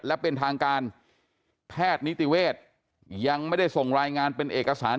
และเป็นทางการแพทย์นิติเวศยังไม่ได้ส่งรายงานเป็นเอกสาร